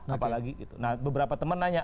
nah beberapa teman nanya